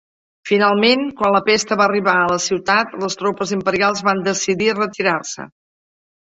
Finalment, quan la pesta va arribar a la ciutat, les tropes imperials van decidir retirar-se.